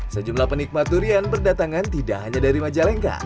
sejumlah penikmat durian berdatangan tidak hanya dari majalengka